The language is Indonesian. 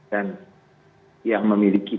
dan yang memiliki